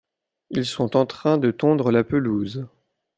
Ils sont en train de tondre la pelouse.